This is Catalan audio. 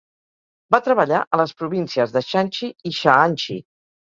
Va treballar a les províncies de Shanxi i Shaanxi.